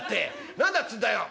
何だっつうんだよ」。